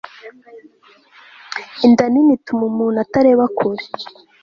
inda nini ituma umuntu atareba kure